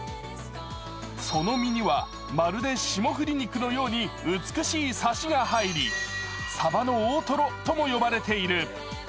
その身にはまるで霜降り肉のように美しいサシが入り、さばの大トロとも呼ばれている。